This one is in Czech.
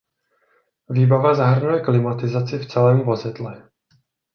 Výbava zahrnuje klimatizaci v celém vozidle.